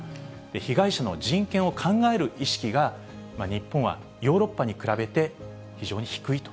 被害者の人権を考える意識が、日本はヨーロッパに比べて非常に低いと。